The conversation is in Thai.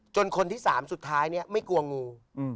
คนที่๓สุดท้ายไม่กลัวงู